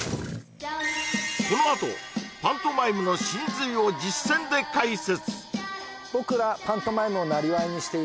このあとパントマイムの真髄を実践で解説